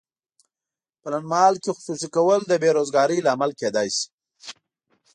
په لنډمهال کې خصوصي کول د بې روزګارۍ لامل کیدای شي.